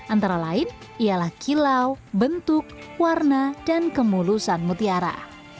antara lain ialah kilau bentuk warna dan kemulusan mutiara